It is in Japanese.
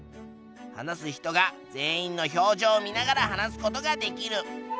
話す人が全員の表情を見ながら話すことができる。